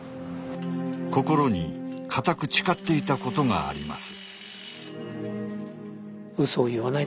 心に固く誓っていたことがあります。